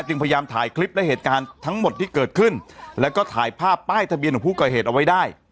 พยายามถ่ายคลิปและเหตุการณ์ทั้งหมดที่เกิดขึ้นแล้วก็ถ่ายภาพป้ายทะเบียนของผู้ก่อเหตุเอาไว้ได้